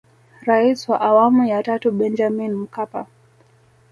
Rais wa awamu ya tatu Benjamin Mkapa